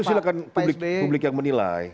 silahkan publik yang menilai